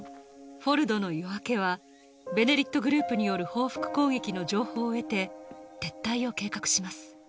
「フォルドの夜明け」は「ベネリット」グループによる報復攻撃の情報を得て撤退を計画します